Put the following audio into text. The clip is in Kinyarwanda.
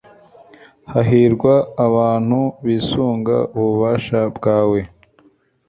hahirwa abantu bisunga ububasha bwawe